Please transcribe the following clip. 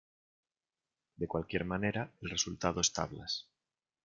De cualquier manera, el resultado es tablas.